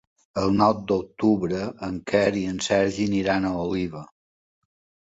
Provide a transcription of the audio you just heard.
El nou d'octubre en Quer i en Sergi aniran a Oliva.